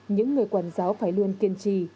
những người quản giáo phải luôn kiên trọng